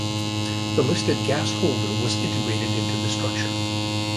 A listed gas holder was integrated into the structure.